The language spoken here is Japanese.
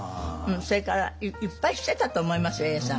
それからいっぱいしてたと思いますよ永さん。